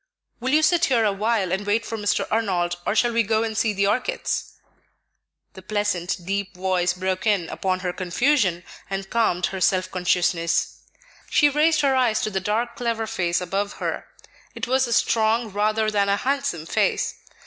"Will you sit here awhile and wait for Mr. Arnold, or shall we go and see the orchids?" The pleasant, deep voice broke in upon her confusion and calmed her self consciousness. She raised her eyes to the dark, clever face above her; it was a strong, rather than a handsome face.